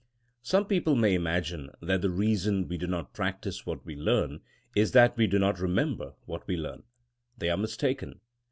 Some people may imagine that the reason we do not practice what we learn is that we do not remember what we learn. They are mistaken.